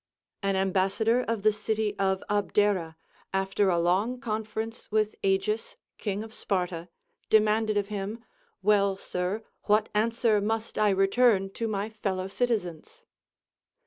An ambassador of the city of Abdera, after a long conference with Agis, King of Sparta, demanded of him, "Well, sir, what answer must I return to my fellow citizens?"